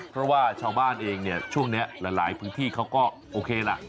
เพราะว่าชาวบ้านเองเนี่ยช่วงนี้หลายพื้นที่เขาก็โอเคล่ะ